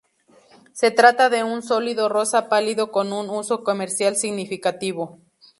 Se trata de un sólido rosa pálido con un uso comercial significativo.